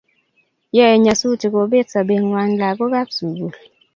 Yoei nyasutik kobet sobengwai lagokab sukul